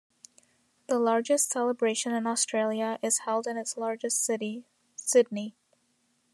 The largest celebration in Australia is held in its largest city: Sydney.